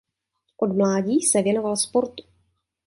Od mládí se věnoval sportu.